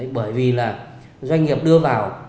bởi vì là doanh nghiệp đưa vào